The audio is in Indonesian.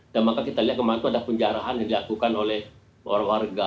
dan maka kita lihat kemarin itu ada penjarahan yang dilakukan oleh warga warga